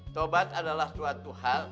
tobat adalah suatu hal